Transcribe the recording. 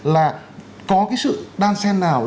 là có cái sự đan sen nào